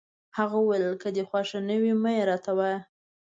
هغه وویل: که دي خوښه نه وي، مه يې راته وایه.